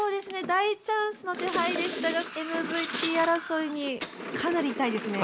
大チャンスの手牌でしたがＭＶＰ争いにかなり痛いですね。